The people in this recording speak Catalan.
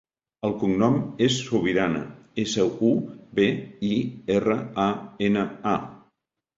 El cognom és Subirana: essa, u, be, i, erra, a, ena, a.